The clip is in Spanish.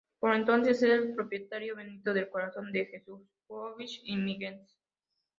Por entonces es el propietario Benito del Corazón de Jesús Bosch y Miguens.